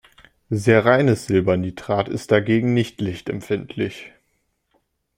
Sehr reines Silbernitrat ist dagegen nicht lichtempfindlich.